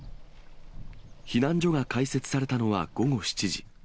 避難所が開設されたのは午後７時。